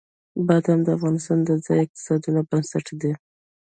بادام د افغانستان د ځایي اقتصادونو بنسټ دی.